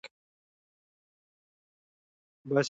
باسواده ښځې د بیمې په شرکتونو کې کار کوي.